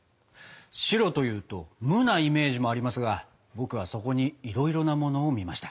「白」というと「無」なイメージもありますが僕はそこにいろいろなものを見ました。